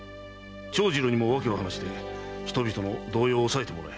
長次郎にも訳を話して人々の動揺を抑えてもらえ。